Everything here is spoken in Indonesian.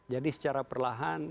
jadi secara perlahan